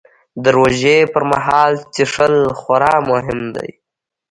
د روژې پر مهال څښل خورا مهم دي